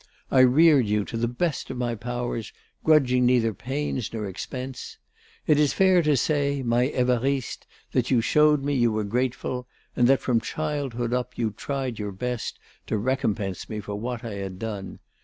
I reared you to the best of my powers, grudging neither pains nor expense. It is fair to say, my Évariste, that you showed me you were grateful and that, from childhood up, you tried your best to recompense me for what I had done.